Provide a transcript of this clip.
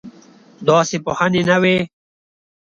داسې پوهنې نه وې.